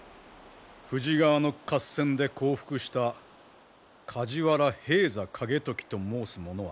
富士川の合戦で降伏した梶原平三景時と申す者は。